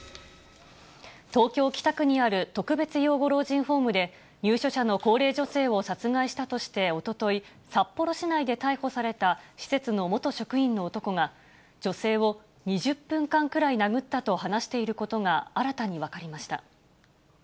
東京・北区にある特別養護老人ホームで、入所者の高齢女性を殺害したとしておととい、札幌市内で逮捕された施設の元職員の男が、女性を２０分間くらい殴ったと話していることが、新たに分かりました。